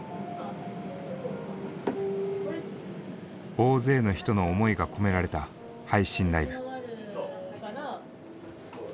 大勢の人の思いが込められた配信ライブ。